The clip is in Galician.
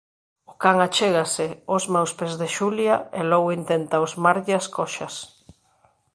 O can achégase, osma os pés de Xulia e logo intenta osmarlle as coxas.